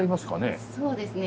そうですね